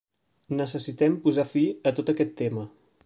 Necessitem posar fi a tot aquest tema.